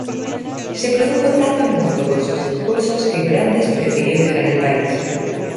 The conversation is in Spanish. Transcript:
Se produjo tal tumulto con sus discursos, que Brandes prefirió dejar el país.